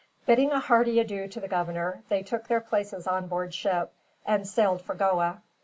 Bidding a hearty adieu to the governor, they took their places on board ship and sailed for Goa.